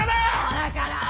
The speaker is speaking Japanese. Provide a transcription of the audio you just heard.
だからぁ！